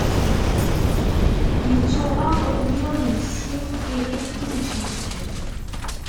Yettuɣaḍ win ur nessin, iɣill kullec yeshel.